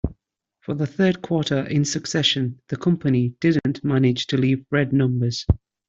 For the third quarter in succession, the company didn't manage to leave red numbers.